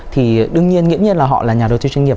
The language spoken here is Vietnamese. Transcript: thì đương nhiên nghiễm nhiên là họ là nhà đầu tư chuyên nghiệp